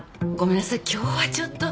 今日はちょっと。